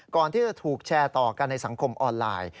ก่อนที่จะถูกแชร์ต่อกันในสังคมออนไลน์